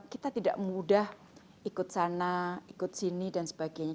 kita tidak mudah ikut sana ikut sini dan sebagainya